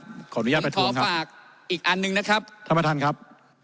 อีกอันนึงนะครับท่านประทานครับ